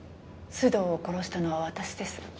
須藤を殺したのは私です。